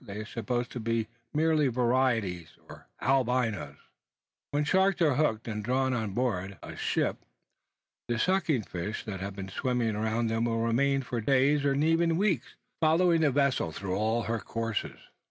They are supposed to be merely varieties or albinos. When sharks are hooked and drawn on board a ship, the sucking fishes that have been swimming around them will remain for days, and even weeks, following the vessel throughout all her courses.